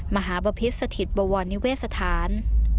มหาบพิษสถิตบวรนิเวศสถาน